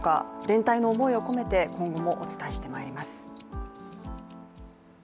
連帯の思いを込めて今後もお伝えしてまいります。